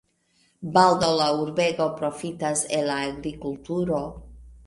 Baldaŭ la urbego profitas el la agrikulturo.